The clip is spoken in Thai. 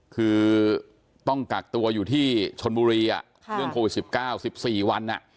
คือต้องกักตัวอยู่ที่ชนบุรีเรื่องโควิด๑๙๑๔วัน